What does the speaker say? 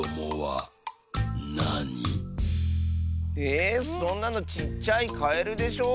えそんなのちっちゃいカエルでしょ？